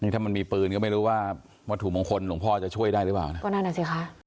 ถ้ามันมีปืนก็ไม่รู้ว่าวัตถุมงคลหลวงพ่อจะช่วยได้หรือเปล่า